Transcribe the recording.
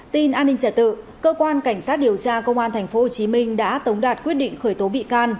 tin an ninh trả tự cơ quan cảnh sát điều tra công an tp hcm đã tống đạt quyết định khởi tố bị can